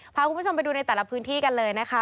พาคุณผู้ชมไปดูในแต่ละพื้นที่กันเลยนะคะ